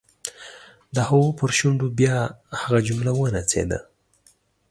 د هغه پر شونډو بیا هغه جمله ونڅېده.